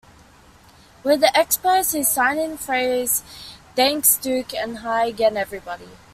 With the Expos, his sign-in phrase Thanks Duke and hi again, everybody.